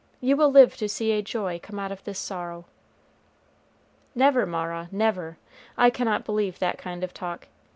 "You will live to see a joy come out of this sorrow." "Never, Mara, never. I cannot believe that kind of talk.